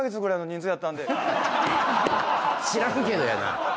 知らんけどやな。